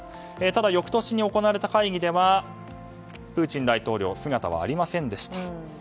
ただ、翌年に行われた会議ではプーチン大統領姿はありませんでした。